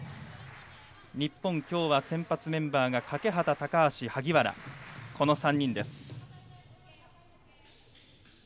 日本は今日は先発メンバー欠端、高橋、萩原この３人です。